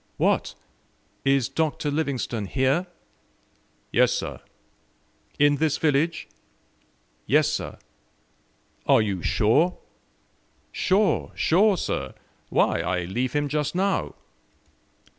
"What! Is Dr. Livingstone here?" "Yes, sir." "In this village?" "Yes, sir." "Are you sure?" "Sure, sure, sir. Why, I leave him just now."